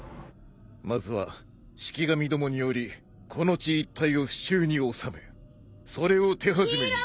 まずは式神どもによりこの地一帯を手中に収めそれを手始めに。